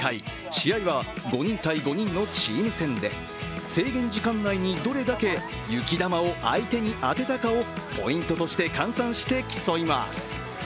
試合は５人対５人のチーム戦で、制限時間内にどれだけ雪玉を相手に当てたかをポイントとして換算して競います。